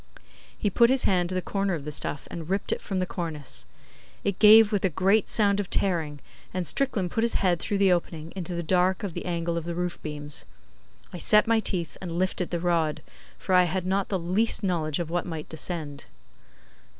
He put his hand to the corner of the stuff and ripped it from the cornice. It gave with a great sound of tearing, and Strickland put his head through the opening into the dark of the angle of the roof beams. I set my teeth and lifted the rod, for I had not the least knowledge of what might descend.